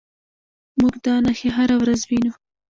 موږ دا نښې هره ورځ وینو.